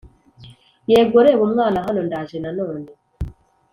yego reba umwana hano ndaje nanone